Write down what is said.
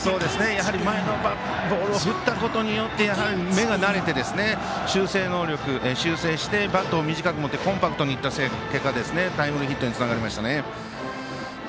やはり前のボールを振ったことによってやはり目が慣れて、修正能力修正して、バットを短く持ってコンパクトにいった結果タイムリーヒットにつながりましたね。